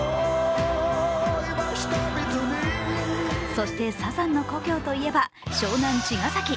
そしてサザンの故郷といえば湘南・茅ヶ崎。